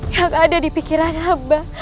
yang ada di pikiran abang